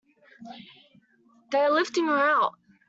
They are lifting her out!